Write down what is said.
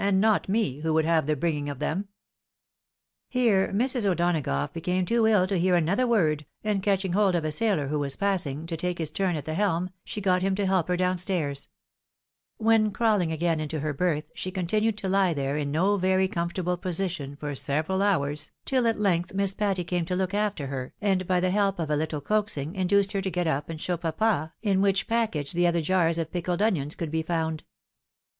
— and not me, who would have the bringing of them." Here Mrs. O'Donagough became too ill to hear another word, and catching hold of a sailor who was passing, to take his turn at the helm, she got him to help her down stairs ; when, crawling again into her berth, she continued to lie there in no very comfortable position for several hours, till at length Miss Patty came to look after her, and by the help of a little coaxing, induced her to get up and show papa in which package the other jars of pickled onions could be found.